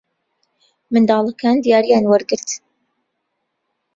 منداڵەکان دیارییان وەرگرت.